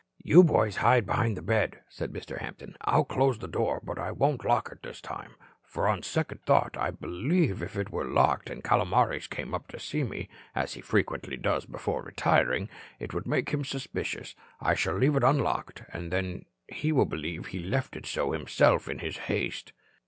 "You boys hide behind the bed," said Mr. Hampton. "I'll close the door, but I won't lock it this time, for on second thought I believe if it were locked and Calomares came up to see me as he frequently does before retiring it would make him suspicious. I shall leave it unlocked, and then he will believe he left it so himself in his haste."